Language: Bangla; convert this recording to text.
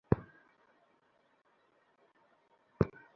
এপার ওপার সাঁতরে বাজি ধরা, লাই খেলা, ঝুপুর ঝপুর ডুব সাঁতারের নদী।